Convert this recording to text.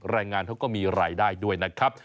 แรงงานเขาก็มีรายได้ด้วยนะครับ